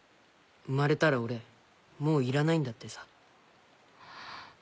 生まれたら俺もういらないんだってさ。